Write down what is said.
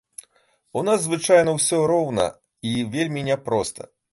У нас звычайна ўсё роўна і вельмі няпроста.